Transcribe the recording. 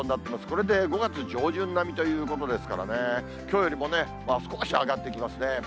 これで５月上旬並みということですからね、きょうよりも少し上がってきますね。